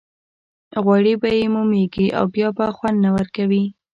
غوړي به یې مومېږي او بیا به خوند نه ورکوي.